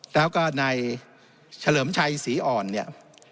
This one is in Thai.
แล้วก็นายเฉลิมชัยศรีอ่อน